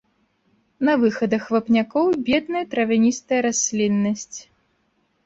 На выхадах вапнякоў бедная травяністая расліннасць.